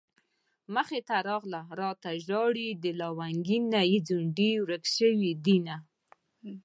مخې ته راغله راته ژاړي د لونګين نه يې ځونډي ورک شوي دينه